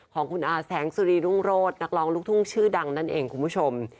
ของคุณอาแสงสุรีรุ่งโรศนักร้องลูกทุ่งชื่อดังนั่นเองคุณผู้ชม